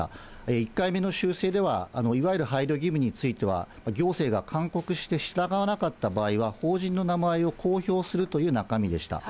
１回目の修正では、いわゆる配慮義務については、行政が勧告して従わなかった場合は、法人の名前を公表するという中身でした。